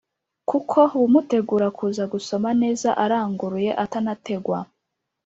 kuko bumutegura kuza gusoma neza aranguruye atanategwa